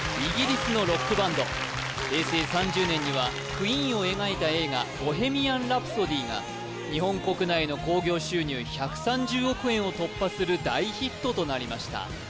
平成３０年にはＱＵＥＥＮを描いた映画「ボヘミアン・ラプソディ」が日本国内の興行収入１３０億円を突破する大ヒットとなりました